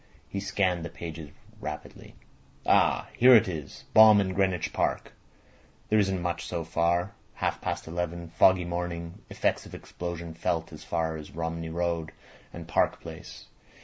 He scanned the pages rapidly. "Ah! Here it is. Bomb in Greenwich Park. There isn't much so far. Half past eleven. Foggy morning. Effects of explosion felt as far as Romney Road and Park Place.